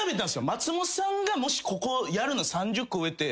松本さんがもしここやるの３０個上って。